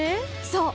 そう！